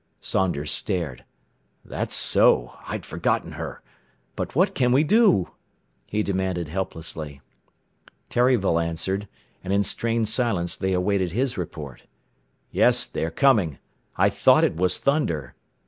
Saunders stared. "That's so. I'd forgotten her. But what can we do?" he demanded helplessly. Terryville answered, and in strained silence they awaited his report. "Yes, they are coming. I thought it was thunder.